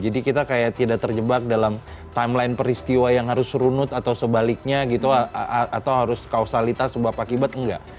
jadi kita kayak tidak terjebak dalam timeline peristiwa yang harus runut atau sebaliknya gitu atau harus kausalitas sebab akibat enggak